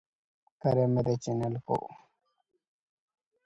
She was the first indigenous Minister of State.